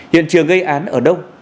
hiện trường gây án ở đâu